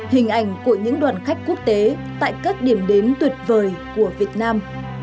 hình ảnh của những đoàn khách quốc tế tại các điểm đến tuyệt vời của việt nam